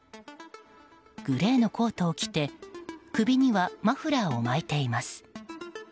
グレーのコートを着て首にはマフラーを巻いています。